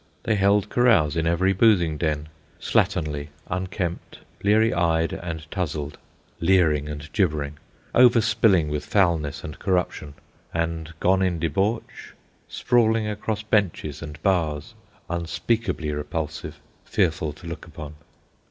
They held carouse in every boozing ken, slatternly, unkempt, bleary eyed, and towsled, leering and gibbering, overspilling with foulness and corruption, and, gone in debauch, sprawling across benches and bars, unspeakably repulsive, fearful to look upon.